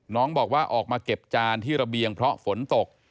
น้องบอกว่าออกมาเก็บจานที่ระเบียงเพราะฝนตก